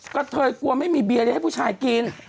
กระเทยกลัวไม่มีเบียร์เลยให้ผู้ชายกิน